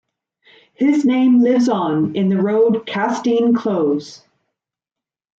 His name lives on in the road Casstine Close.